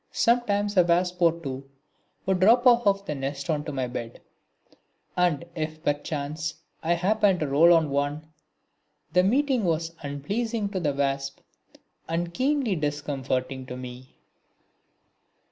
Sometimes a wasp or two would drop off the nest on to my bed, and if perchance I happened to roll on one, the meeting was unpleasing to the wasp and keenly discomforting to me.